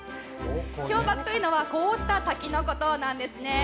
氷瀑というのは凍った滝のことなんですね。